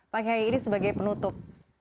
pak kiai ini sebagai penutup